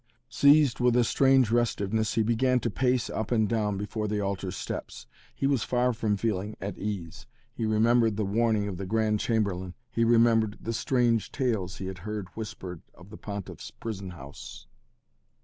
Seized with a strange restiveness he began to pace up and down before the altar steps. He was far from feeling at ease. He remembered the warning of the Grand Chamberlain. He remembered the strange tales he had heard whispered of the Pontiff's prison house.